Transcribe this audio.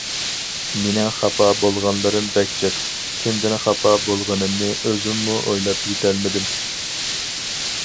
- مېنىڭ خاپا بولغانلىرىم بەك جىق، كىمدىن خاپا بولغىنىمنى ئۆزۈممۇ ئويلاپ يېتەلمىدىم.